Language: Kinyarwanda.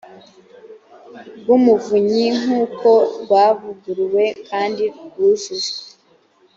rw umuvunyi nk uko ryavuguruwe kandi ryujujwe